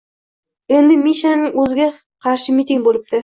Endi Mishaning o‘ziga qarshi miting bo‘libdi